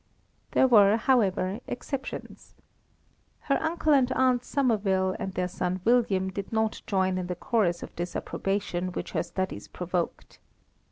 There were, however, exceptions. Her Uncle and Aunt Somerville and their son William did not join in the chorus of disapprobation which her studies provoked.